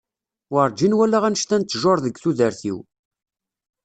Werǧin walaɣ annect-a n ttjur deg tudert-iw.